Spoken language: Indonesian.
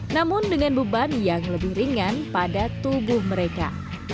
namun dengan beban yang lebih ringan pada tubuh mereka